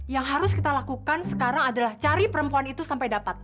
yang harus kita lakukan sekarang adalah cari perempuan itu sampai dapat